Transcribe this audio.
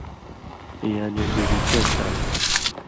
یعنی ڈیڈِکیٹ کرَم تُھو